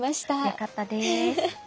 よかったです。